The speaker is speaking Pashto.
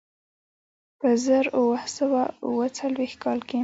په زر اووه سوه اوه څلوېښت کال کې.